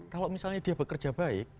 kalau misalnya dia bekerja baik